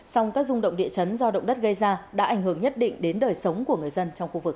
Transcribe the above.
song các rung động địa chấn do động đất gây ra đã ảnh hưởng nhất định đến đời sống của người dân trong khu vực